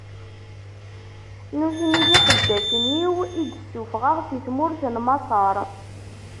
Nutni, d iqeddacen-iw, i d-ssufɣeɣ si tmurt n Maṣer.